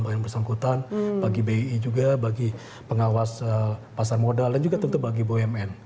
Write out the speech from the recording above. yang bersangkutan bagi bi juga bagi pengawas pasar modal dan juga tentu bagi bumn